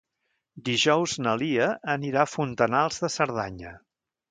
Dijous na Lia anirà a Fontanals de Cerdanya.